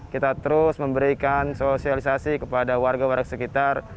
kita terus memberikan sosialisasi kepada warga warga sekitar